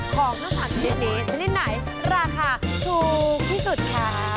ของทั้ง๓ชนิดนี้ชนิดไหนราคาถูกที่สุดคะ